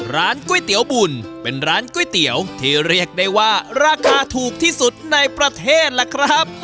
ร้านก๋วยเตี๋ยวบุญเป็นร้านก๋วยเตี๋ยวที่เรียกได้ว่าราคาถูกที่สุดในประเทศล่ะครับ